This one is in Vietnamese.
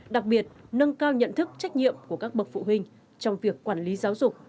đặc biệt nâng cao nhận thức trách nhiệm của các bậc phụ huynh trong việc quản lý giáo dục